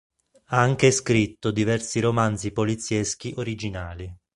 Ha anche scritto diversi romanzi polizieschi originali.